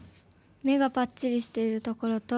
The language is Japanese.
目がぱっちりしているところと。